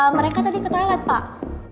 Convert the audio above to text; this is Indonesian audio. mereka tadi ke toilet pak